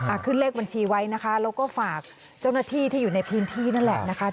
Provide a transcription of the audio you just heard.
ขึ้นเลขบัญชีไว้นะคะแล้วก็ฝากเจ้าหน้าที่ที่อยู่ในพื้นที่นั่นแหละนะคะ